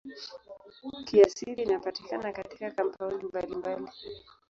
Kiasili inapatikana katika kampaundi mbalimbali.